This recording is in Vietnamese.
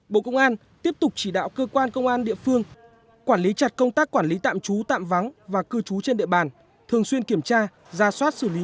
bộ công an tiếp tục chỉ đạo cơ quan công an địa phương quản lý chặt công tác quản lý tạm trú tạm vắng và cư trú trên địa bàn thường xuyên kiểm tra ra soát xử lý